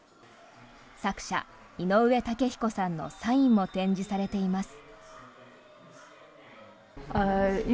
作者・井上雄彦さんのサインも展示されています。